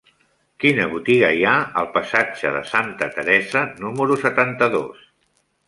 Quina botiga hi ha al passatge de Santa Teresa número setanta-dos?